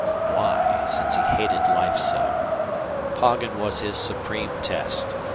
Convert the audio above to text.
Why, since he hated life so? Poggin was his supreme test.